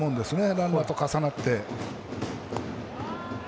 ランナーと重なって。